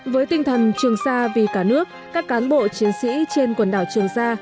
với tinh thần trường sa vì cả nước các cán bộ chiến sĩ trên quần đảo trường sa